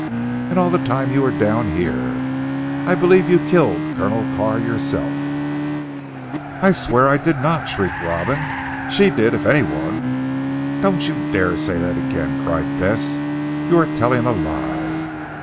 And all the time you were down here! I believe you killed Colonel Carr yourself." "I swear I did not," shrieked Robin, "she did if anyone." "Don't you dare to say that again," cried Bess, "you are telling a lie."